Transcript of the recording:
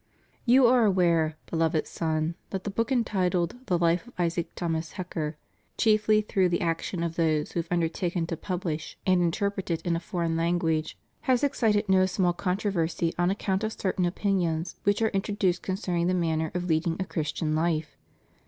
You are aware, beloved Son, that the book entitled "The Life of Isaac Thomas Hecker," chiefly through the action of those who have undertaken to publish and 441 442 TRUE AND FALSE AMERICANISM IN RELIGION. interpret it in a foreign language, has excited no small controversy on account of certain opinions which are introduced concerning the manner of leading a Christian life.